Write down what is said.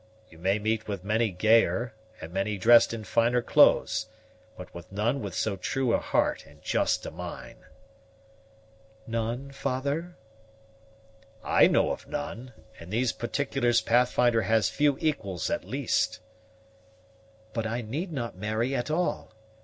You may meet with many gayer, and many dressed in finer clother; but with none with so true a heart and just a mind." "None father?" "I know of none; in these particulars Pathfinder has few equals at least." "But I need not marry at all.